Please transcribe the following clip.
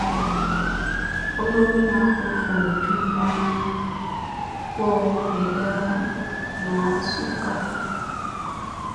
Boyogina huu fun coo vina ko geeda na su ka.